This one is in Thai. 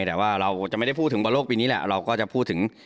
แต่ว่าเราจะไม่ได้พูดถึงบอลโลกปีนี้แหละเราก็จะพูดถึง